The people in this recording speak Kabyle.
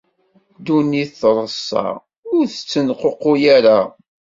Ddunit treṣṣa, ur tettenququl ara.